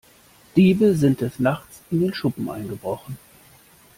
Diebe sind des Nachts in den Schuppen eingebrochen.